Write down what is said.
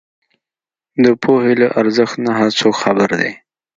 د پوهې له ارزښت نۀ هر څوک خبر دی